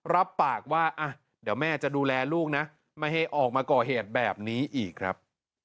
รับปากว่าเดี๋ยวแม่จะดูแลลูกนะไม่ให้ออกมาก่อเหตุแบบนี้อีกครับ